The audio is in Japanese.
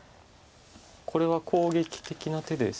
これは攻撃的な手です。